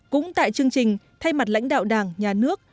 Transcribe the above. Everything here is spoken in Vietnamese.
cũng tại chương trình thay mặt lãnh đạo đảng nhà nước